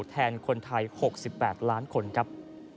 แทนคนไทย๖๘ล้านคนครับ